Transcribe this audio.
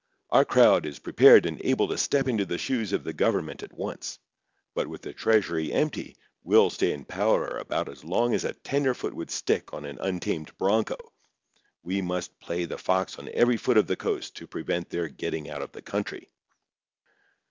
Our crowd is prepared and able to step into the shoes of the government at once; but with the treasury empty we'd stay in power about as long as a tenderfoot would stick on an untamed bronco. We must play the fox on every foot of the coast to prevent their getting out of the country."